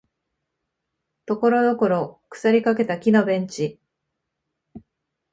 ところどころ腐りかけた木のベンチ